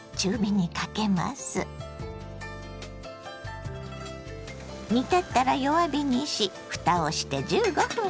煮立ったら弱火にしふたをして１５分煮ます。